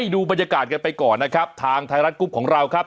ดูบรรยากาศกันไปก่อนนะครับทางไทยรัฐกรุ๊ปของเราครับ